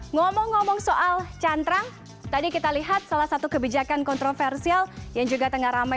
ngomong ngomong soal cantrang tadi kita lihat salah satu kebijakan kontroversial yang juga tengah ramai